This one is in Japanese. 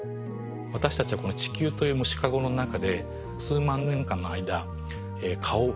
私たちはこの地球という虫かごの中で数万年間の間蚊を増やし続けてきた。